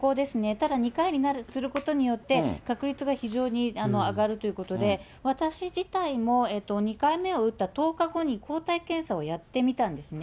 ただ、２回にすることによって、確率が非常に上がるということで、私自体も２回目を打った１０日後に抗体検査をやってみたんですね。